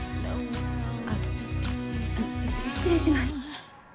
あっあの失礼します。